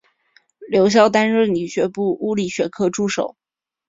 留校担任理学部物理学科助手。